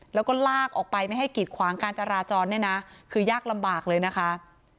แล้วก็ลากออกไปไม่ให้กิดขวางการจราจรเนี่ยนะคือยากลำบากเลยนะคะ